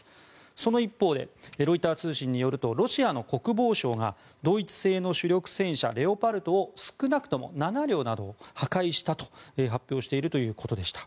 その一方でロイター通信によるとロシアの国防省がドイツ製の主力戦車レオパルト少なくとも７両などを破壊したと発表しているということでした。